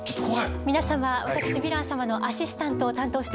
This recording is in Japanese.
皆様私ヴィラン様のアシスタントを担当しております